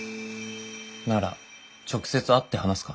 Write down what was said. なら直接会って話すか。